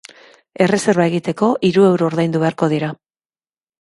Erreserba egiteko hiru euro ordaindu beharko dira.